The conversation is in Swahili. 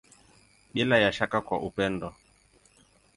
Bila ya shaka kwa upendo.